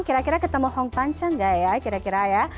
kira kira ketemu hongtan canggaya